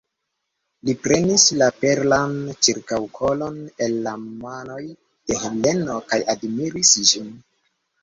Li prenis la perlan ĉirkaŭkolon el la manoj de Heleno kaj admiris ĝin.